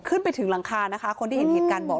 ขึ้นไปถึงหลังคานะคะคนที่เห็นเหตุการณ์บอก